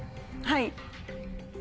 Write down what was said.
はい。